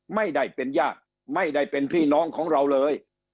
ไม่ได้เป็นญาติไม่ได้เป็นพี่น้องของเราเลย